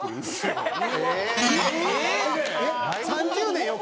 ３０年よ？